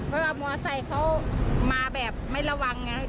เพราะว่ามอไซค์เขามาแบบไม่ระวังไง